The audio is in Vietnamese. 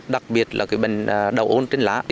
đặc biệt là bệnh đầu ôn trên lá